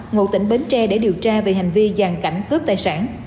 ngụ tỉnh bến tre để điều tra về hành vi giàn cảnh cướp tài sản